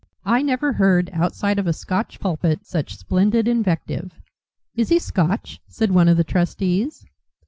I never heard, outside of a Scotch pulpit, such splendid invective." "Is he Scotch?" said one of the trustees.